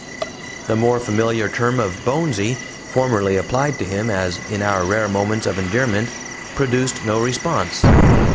The more familiar term of "Bonesy" formerly applied to him, as in our rare moments of endearment produced no response.